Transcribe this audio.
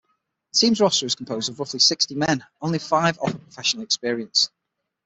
The team's roster is composed of roughly sixty men; only five offer professional experience.